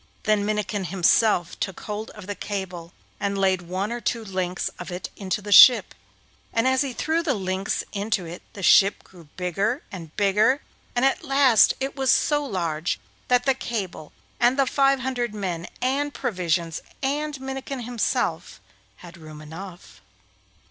Then Minnikin himself took hold of the cable, and laid one or two links of it into the ship, and as he threw the links into it the ship grew bigger and bigger, and at last it was so large that the cable, and the five hundred men, and provisions, and Minnikin himself, had room enough.